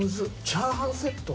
チャーハンセット。